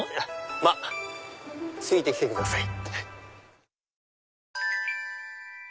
まっついてきてください。